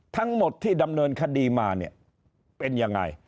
ทั้งหมดที่ดำเนินคดีมาเนี่ยเป็นยังไง